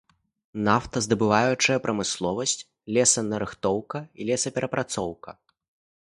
Нафтаздабываючая прамысловасць, лесанарыхтоўка і лесаперапрацоўка.